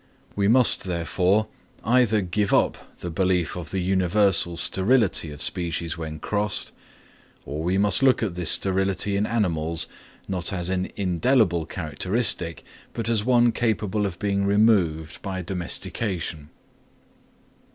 We must, therefore, either give up the belief of the universal sterility of species when crossed; or we must look at this sterility in animals, not as an indelible characteristic, but as one capable of being removed by domestication.